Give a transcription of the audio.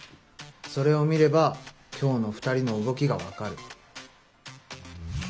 それを見れば今日の２人の動きが分かる。